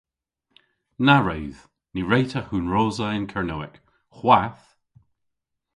Na wredh! Ny wre'ta hunrosa yn Kernewek - hwath!